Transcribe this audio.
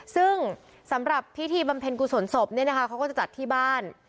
ซึ่งสำหรับพิธีบำเพ็ญกุศลศพเนี่ยนะคะเขาก็จะจัดที่บ้าน